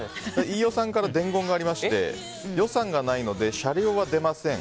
飯尾さんから伝言がありまして予算がないので車両は出ません。